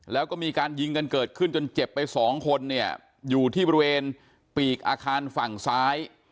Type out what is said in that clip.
แล้วก็มีการยิงกันเกิดขึ้นจนเจ็บไปสองคนเนี่ยอยู่ที่บริเวณปีกอาคารฝั่งซ้าย